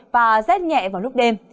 và rét nhẹ vào lúc đêm